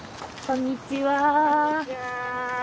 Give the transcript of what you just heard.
こんにちは。